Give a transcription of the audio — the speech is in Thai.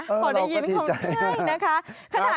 ขอได้ยินของเจ้าสาวนะคะ